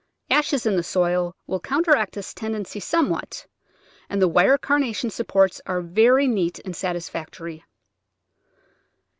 Ashes in the soil will counteract this ten* dency somewhat, and the wire carnation supports are Very neat and satisfactory.